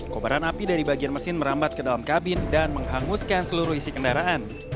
kobaran api dari bagian mesin merambat ke dalam kabin dan menghanguskan seluruh isi kendaraan